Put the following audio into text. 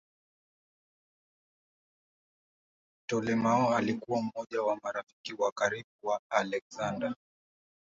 Ptolemaio alikuwa mmoja wa marafiki wa karibu wa Aleksander.